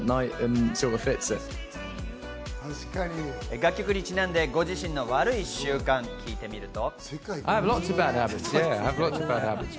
楽曲にちなんで、ご自身の悪い習慣を聞いてみると。